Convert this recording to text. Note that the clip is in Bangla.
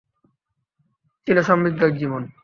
ছিল সমৃদ্ধ এক জীবন!